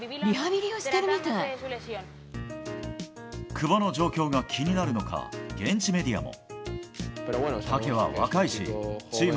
久保の状況が気になるのか現地メディアも。